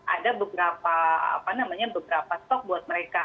ada beberapa stok buat mereka